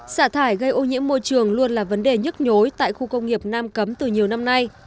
xả thải gây ô nhiễm môi trường luôn là vấn đề nhức nhối tại khu công nghiệp nam cấm từ nhiều năm nay